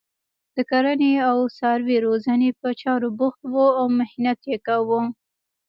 د کرنې او څاروي روزنې په چارو بوخت وو او محنت یې کاوه.